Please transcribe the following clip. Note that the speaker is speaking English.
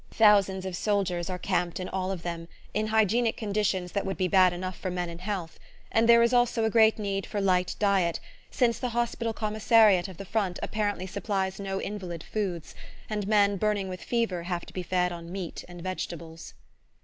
Thousands of soldiers are camped in all of them, in hygienic conditions that would be bad enough for men in health; and there is also a great need for light diet, since the hospital commissariat of the front apparently supplies no invalid foods, and men burning with fever have to be fed on meat and vegetables.